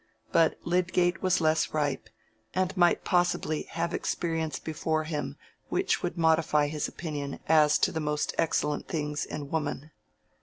But Lydgate was less ripe, and might possibly have experience before him which would modify his opinion as to the most excellent things in woman.